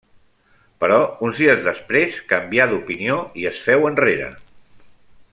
Però uns dies després canvià d'opinió i es féu enrere.